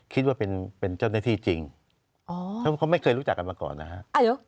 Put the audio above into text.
คิดว่าเป็นเจ้าหน้าที่จริงอ๋อเขาไม่เคยรู้จักกันมาก่อนนะฮะ